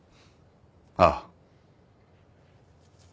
ああ。